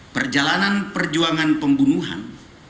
perjalanan perjuangan pembunuhan